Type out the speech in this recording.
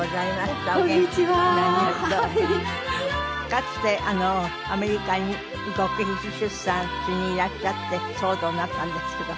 かつてアメリカに極秘出産しにいらっしゃって騒動になったんですけど。